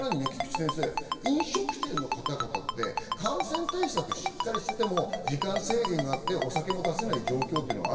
さらに菊地先生、飲食店の方々って、感染対策をしっかりしていても時間制限があって、お酒も出せない状況。